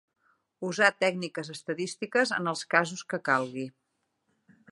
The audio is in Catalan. Usar tècniques estadístiques en el casos que calgui.